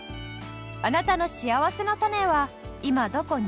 あなたのしあわせのたねは今どこに？